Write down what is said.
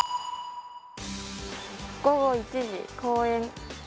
午後１時、公園。